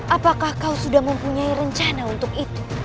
apakah kau sudah mempunyai rencana untuk itu